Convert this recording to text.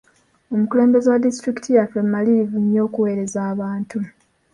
Omukulembeze wa disitulikiti yaffe mumalirivu nnyo okuweereza abantu.